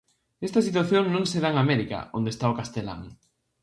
Esta situación non se dá en América, onde está o castelán.